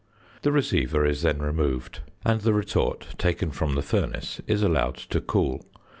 The receiver is then removed, and the retort, taken from the furnace, is allowed to cool.